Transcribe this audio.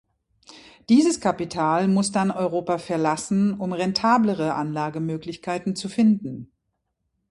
Dieses Kapital muss dann Europa verlassen, um rentablere Anlagemöglichkeiten zu finden.